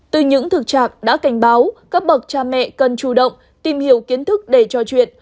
từ những thực trạng đã cảnh báo các bậc cha mẹ cần chủ động tìm hiểu kiến thức để trò chuyện